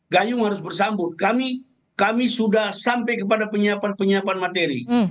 gayung harus bersambut kami sudah sampai kepada penyiapan penyiapan materi